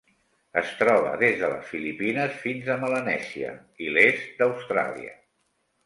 Es troba des de les Filipines fins a Melanèsia i l'est d'Austràlia.